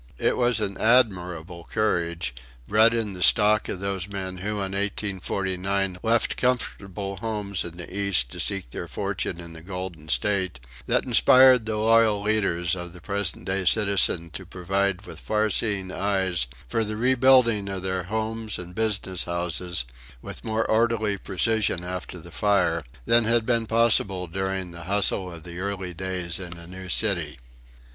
It was an admirable courage, bred in the stock of those men who in 1849 left comfortable homes in the East to seek their fortune in the Golden State, that inspired the loyal leaders of the present day citizens to provide with far seeing eyes for the rebuilding of their homes and business houses with more orderly precision after the fire than had been possible during the hustle of early days in a new city.